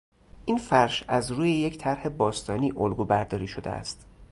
این فرش از روی یک طرح باستانی الگو برداری شده است.